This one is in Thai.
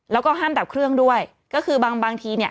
แล้วก็ห้ามดับเครื่องด้วยก็คือบางบางทีเนี่ย